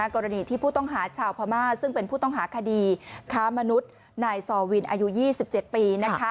กรณีที่ผู้ต้องหาชาวพม่าซึ่งเป็นผู้ต้องหาคดีค้ามนุษย์นายซอวินอายุ๒๗ปี